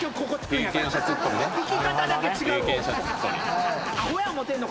行き方だけ違う方。